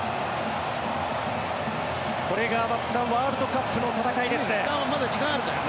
これが松木さんワールドカップの戦いですね。